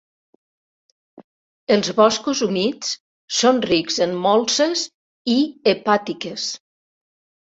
Els boscos humits són rics en molses i hepàtiques.